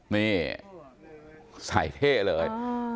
นี่สายเท่เลย